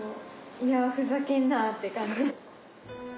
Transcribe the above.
いや、ふざけんなって感じです。